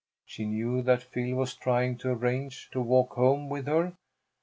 She knew that Phil was trying to arrange to walk home with her.